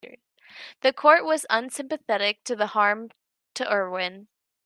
The Court was unsympathetic to the harm to Irwin.